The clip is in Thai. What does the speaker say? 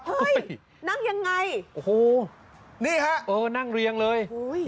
เฮ้ยนั่งยังไงโอ้โหนี่ค่ะเออนั่งเรียงเลยโอ้โห